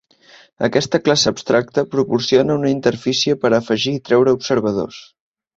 Aquesta classe abstracta proporciona una interfície per a afegir i treure observadors.